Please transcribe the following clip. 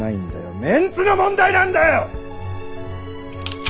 メンツの問題なんだよ！